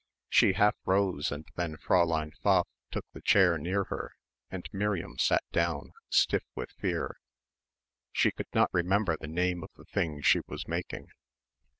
She half rose and then Fräulein Pfaff took the chair near her and Miriam sat down, stiff with fear. She could not remember the name of the thing she was making.